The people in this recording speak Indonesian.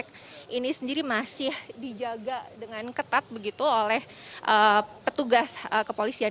proyek ini sendiri masih dijaga dengan ketat begitu oleh petugas kepolisian